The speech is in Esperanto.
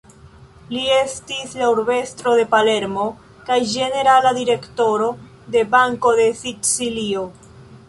Li estis la Urbestro de Palermo kaj ĝenerala Direktoro de Banko de Sicilio.